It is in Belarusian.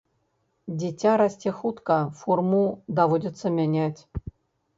Дзіця расце хутка, форму даводзіцца мяняць.